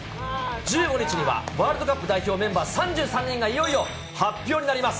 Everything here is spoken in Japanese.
１５日にはワールドカップ代表メンバー３３人がいよいよ発表になります。